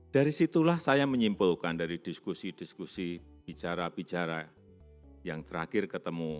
dari situlah saya menyimpulkan dari diskusi diskusi bicara bicara yang terakhir ketemu